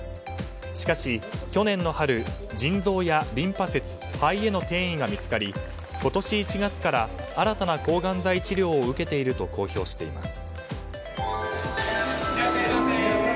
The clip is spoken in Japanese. しかし、去年の春腎臓やリンパ節肺への転移が見つかり今年１月から新たな抗がん剤治療を受けていると公表しています。